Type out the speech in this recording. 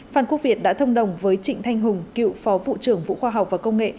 phan quốc việt đã thông đồng với trịnh thanh hùng cựu phó vụ trưởng vũ khoa học và công nghệ